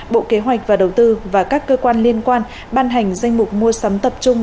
bộ kế hoạch và đầu tư và các cơ quan liên quan ban hành danh mục mua sắm tập trung